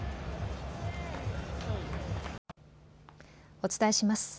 お伝えします。